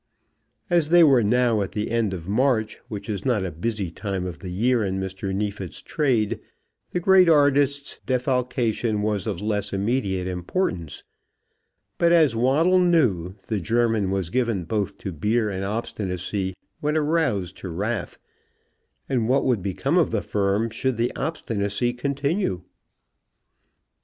As they were now at the end of March, which is not a busy time of the year in Mr. Neefit's trade, the great artist's defalcation was of less immediate importance; but, as Waddle knew, the German was given both to beer and obstinacy when aroused to wrath; and what would become of the firm should the obstinacy continue?